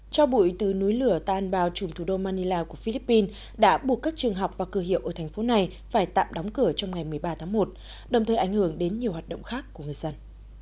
cho bụi từ núi lửa tan vào trùm thủ đô manila của philippines đã buộc các trường học và cơ hiệu ở thành phố này phải tạm đóng cửa trong ngày một mươi ba tháng một đồng thời ảnh hưởng đến nhiều hoạt động khác của người dân